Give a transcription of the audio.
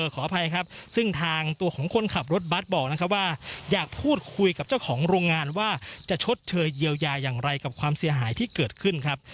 ขออภัยครับซึ่งทางตัวของคนขับรถบัตรบอกนะครับว่าอยากพูดคุยกับเจ้าของโรงงานว่าจะชดเชยเยียวยาอย่างไรกับความเสียหายที่เกิดขึ้นครับ